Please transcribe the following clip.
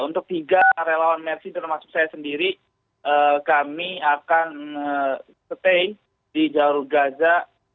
untuk tiga relawan mersi termasuk saya sendiri kami akan stay di jalur gaza